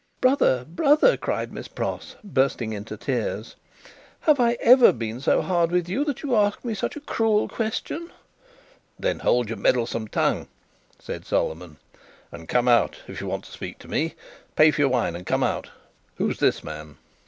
"Brother, brother!" cried Miss Pross, bursting into tears. "Have I ever been so hard with you that you ask me such a cruel question?" "Then hold your meddlesome tongue," said Solomon, "and come out, if you want to speak to me. Pay for your wine, and come out. Who's this man?"